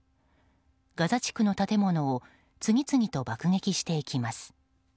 ガザ地区の建物を次々と爆撃していきます。